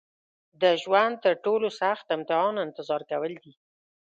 د ژوند تر ټولو سخت امتحان انتظار کول دي.